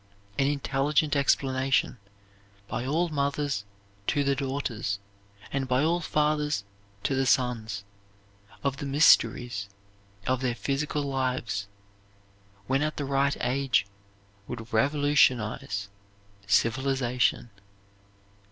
An intelligent explanation, by all mothers to the daughters and by all fathers to the sons, of the mysteries of their physical lives, when at the right age, would revolutionize civilization.